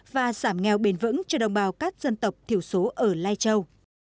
và giảm nghèo bền vững cho đồng bào các dân tộc thiểu số ở lai châu